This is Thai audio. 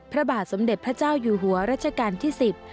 พระบาทสมเด็จพระเจ้าอยู่หัวรัชกาลที่สิบ